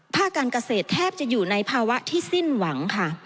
การเกษตรแทบจะอยู่ในภาวะที่สิ้นหวังค่ะ